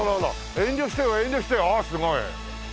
遠慮してよ遠慮してよああすごい。